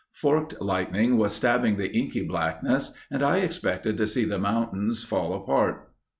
Forked lightning was stabbing the inky blackness and I expected to see the mountains fall apart.